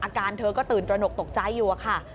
อาการเธอก็ตื่นตระหนกตกใจอยู่ค่ะ